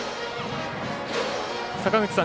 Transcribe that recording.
坂口さん